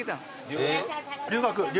留学？